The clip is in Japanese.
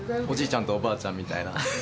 ちゃんとおばあちゃんみたいな。